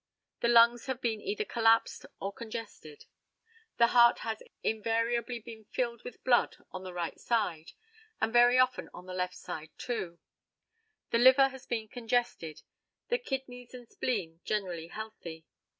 The lungs have been either collapsed or congested. The heart has invariably been filled with blood on the right side, and very often on the left side also. The liver has been congested, the kidneys and spleen generally healthy.